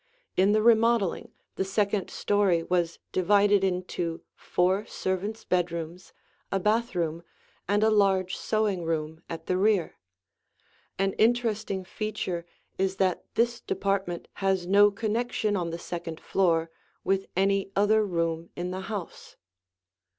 In the remodeling, the second story was divided into four servants' bedrooms, a bathroom, and a large sewing room at the rear. An interesting feature is that this department has no connection on the second floor with any other room in the house.